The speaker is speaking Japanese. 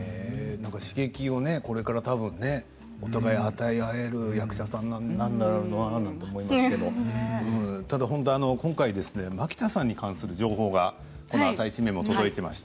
刺激はこれからお互い与え合える役者さんなんだろうなと思いますけれどもただ今回蒔田さんに関する情報が「あさイチ」にも届いています。